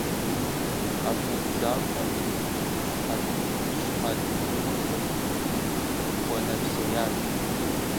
А пут закъуэм щхьэлтетыр хуэнэпсеят.